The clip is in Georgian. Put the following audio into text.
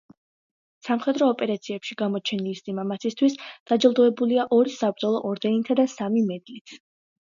სამხედრო ოპერაციებში გამოჩენილი სიმამაცისთვის დაჯილდოვებულია ორი საბრძოლო ორდენითა და სამი მედლით.